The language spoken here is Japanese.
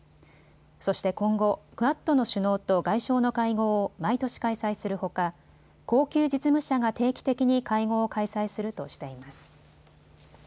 そして今後、クアッドの首脳と外相の会合を毎年開催するほか、高級実務者が定期的に会合を開催するとしています。